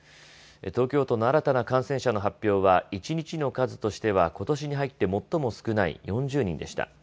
東京都の新たな感染者の発表は一日の数としてはことしに入って最も少ない４０人でした。